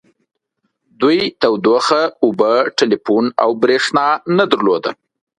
دوی تودوخه اوبه ټیلیفون او بریښنا نه درلوده